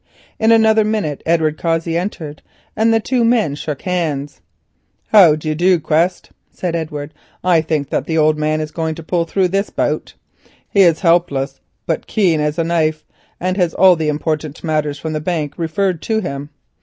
In another minute Edward Cossey entered, and the two men shook hands. "How do you do, Quest?" said Edward. "I think that the old man is going to pull through this bout. He is helpless but keen as a knife, and has all the important matters from the bank referred to him.